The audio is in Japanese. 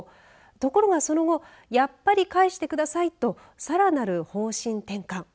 ところが、その後やっぱり返してくださいとさらなる方針転換。